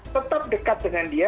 tetap dekat dengan dia